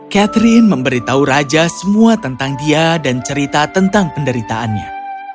catherine memberitahu raja semua tentang dia dan cerita tentang penderitaannya